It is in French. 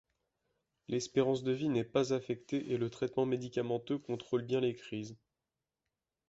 L'espérance de vie n'est pas affectée et le traitement médicamenteux contrôle bien les crises.